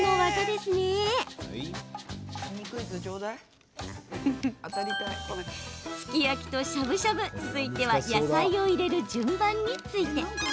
すき焼きとしゃぶしゃぶ続いては野菜を入れる順番について。